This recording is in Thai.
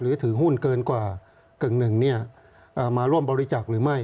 หรือถือหุ้นเกินกว่ากึ่งหนึ่งเนี่ยมาร่วมบริจักษ์หรือไม่